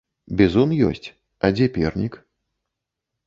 Бізун ёсць, а дзе пернік?